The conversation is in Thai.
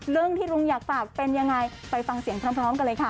ที่ลุงอยากฝากเป็นยังไงไปฟังเสียงพร้อมกันเลยค่ะ